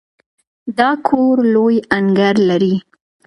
دا کور لوی انګړ لري.